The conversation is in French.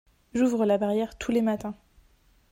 J'ouvre la barrière tous les matins.